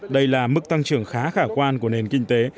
đây là mức tăng trưởng khá khả quan của nền kinh tế